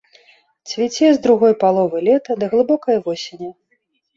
Цвіце з другой паловы лета да глыбокай восені.